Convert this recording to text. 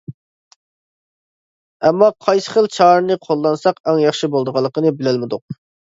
ئەمما قايسى خىل چارىنى قوللانساق ئەڭ ياخشى بولىدىغانلىقىنى بىلەلمىدۇق.